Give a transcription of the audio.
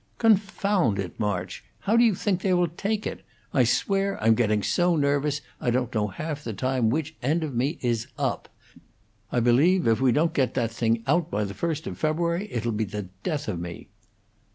"Confound it, March! How do you think they will take it? I swear I'm getting so nervous I don't know half the time which end of me is up. I believe if we don't get that thing out by the first of February it 'll be the death of me."